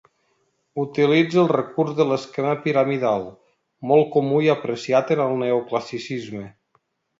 Utilitza el recurs de l'esquema piramidal, molt comú i apreciat en el neoclassicisme.